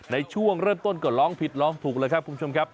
ในช่วงเริ่มต้นก็ร้องผิดร้องถูกแล้วครับคุณผู้ชมครับ